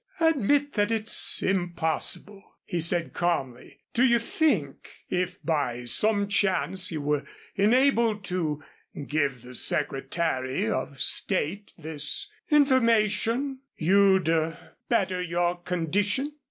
"Admit that it's impossible," he said calmly. "Do you think, if by some chance you were enabled to give the Secretary of State this information, you'd better your condition?"